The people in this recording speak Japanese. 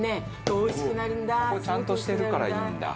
ここちゃんとしてるからいいんだ。